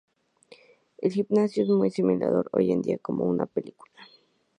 El gimnasio es muy similar hoy en día como en la película.